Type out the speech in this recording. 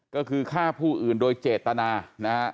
ก็คือฆ่าผู้อื่นโดยเจตนานะฮะ